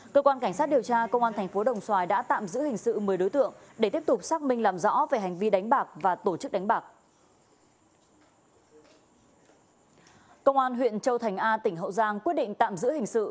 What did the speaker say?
công an huyện châu thành a tỉnh hậu giang quyết định tạm giữ hình sự